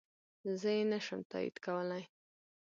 زه يي نشم تاييد کولی